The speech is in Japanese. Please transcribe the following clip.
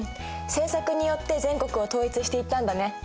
政策によって全国を統一していったんだね。